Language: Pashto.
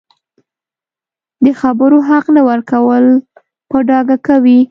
د خبرو حق نه ورکول په ډاګه کوي